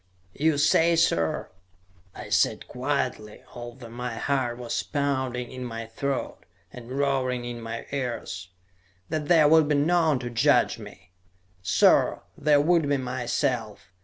"You say, sir," I said quietly, although my heart was pounding in my throat, and roaring in my ears, "that there would be none to judge me. "Sir, there would be myself.